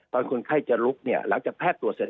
คนไข้จะลุกเนี่ยหลังจากแพทย์ตรวจเสร็จ